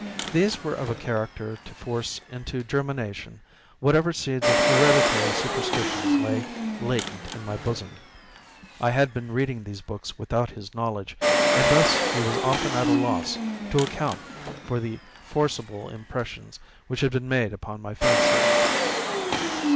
These were of a character to force into germination whatever seeds of hereditary superstition lay latent in my bosom. I had been reading these books without his knowledge, and thus he was often at a loss to account for the forcible impressions which had been made upon my fancy.